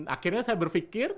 akhirnya saya berpikir